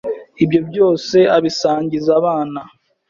ibyo byose abisangiza abana